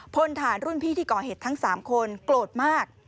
พลฐานรุ่นพี่ที่ก่อเหตุทั้ง๓คนโกรธมาก